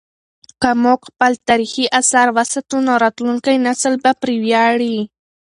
که موږ خپل تاریخي اثار وساتو نو راتلونکی نسل به پرې ویاړي.